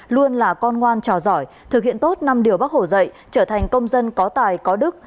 luôn là con ngoan trò giỏi thực hiện tốt năm điều bắc hồ dạy trở thành công dân có tài có đức